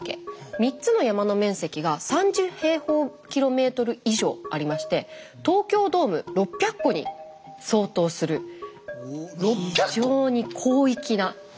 ３つの山の面積が３０以上ありまして東京ドーム６００個に相当する非常に広域な。